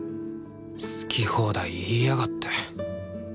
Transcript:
好き放題言いやがって。